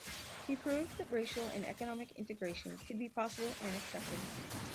He proved that racial and economic integration could be possible and accepted.